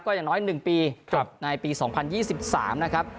ก็อย่างน้อยหนึ่งปีครับในปีสองพันยี่สิบสามนะครับ